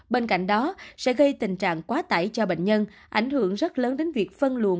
bên cạnh đó sẽ gây tình trạng quá tải cho bệnh nhân ảnh hưởng rất lớn đến việc phân luồn